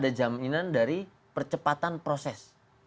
ada jaminan dari percepatan proses